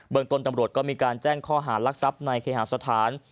ต้นตำรวจก็มีการแจ้งข้อหารักทรัพย์ในเคหาสถาน